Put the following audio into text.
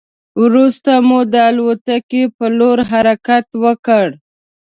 وروسته مو د الوتکې په لور حرکت وکړ.